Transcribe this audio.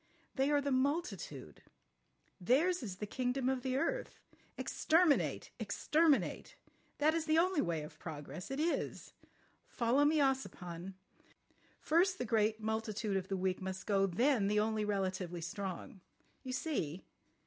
They are the multitude. Theirs is the kingdom of the earth. Exterminate, exterminate! That is the only way of progress. It is! Follow me, Ossipon. First the great multitude of the weak must go, then the only relatively strong. You see?